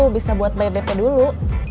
bisa buat bayar dp dulu